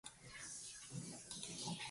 The computer can even play both sides.